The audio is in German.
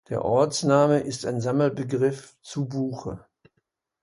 Der Ortsname ist ein Sammelbegriff zu Buche.